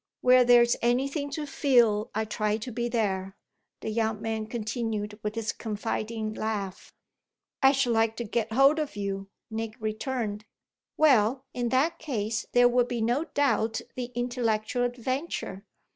Where there's anything to feel I try to be there!" the young man continued with his confiding laugh. "I should like to get hold of you," Nick returned. "Well, in that case there would be no doubt the intellectual adventure.